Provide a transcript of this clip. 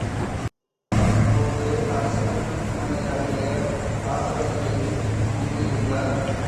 அப்போது அரசிளங்குமரியாகிய வாசவதத்தையும் அங்கு இருந்தாள்.